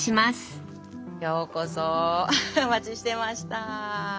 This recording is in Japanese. ようこそお待ちしてました。